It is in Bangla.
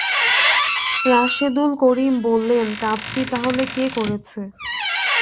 রাশেদুল করিম বললেন, কাজটি তাহলে কে করেছে?